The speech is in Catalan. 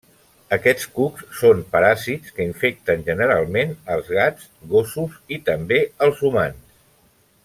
Aquests cucs són paràsits que infecten generalment als gats, gossos i també als humans.